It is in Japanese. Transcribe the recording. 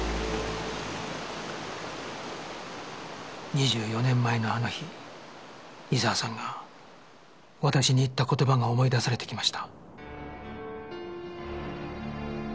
２４年前のあの日伊沢さんが私に言った言葉が思い出されてきました